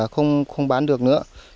không bán được nữa